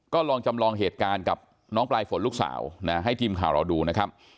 ก็ลองจำลองเหตุการณ์กับน้องปลายฝนลูกสาวนะให้ทีมข่าวเราดูนะครับ